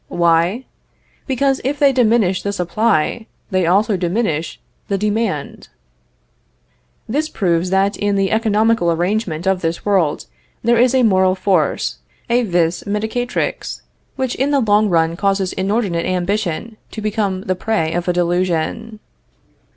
Why? Because if they diminish the supply they also diminish the demand. This proves that in the economical arrangement of this world there is a moral force, a vis medicatrix, which in the long run causes inordinate ambition to become the prey of a delusion.